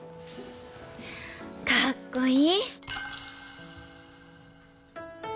かっこいい。